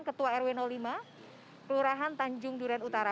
ketua rw lima kelurahan tanjung duren utara